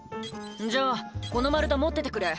「じゃあこの丸太持っててくれ」